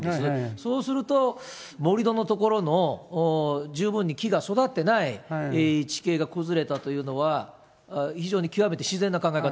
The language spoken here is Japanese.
そうすると、盛り土の所の十分に木が育っていない地形が崩れたというのは、非常に極めて自然な考え方？